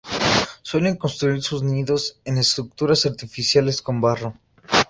Suelen construir sus nidos en estructuras artificiales con barro.